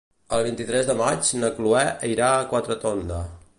El vint-i-tres de maig na Cloè irà a Quatretonda.